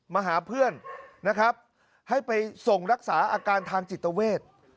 มาหาเพื่อนนะครับให้ไปส่งรักษาอาการทางจิตเวท